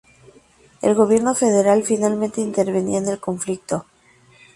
El gobierno federal, finalmente intervenía en el conflicto.